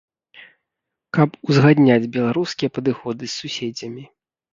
Каб узгадняць беларускія падыходы з суседзямі.